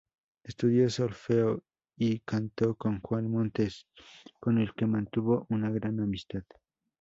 Estudió solfeo y canto con Juan Montes, con el que mantuvo una gran amistad.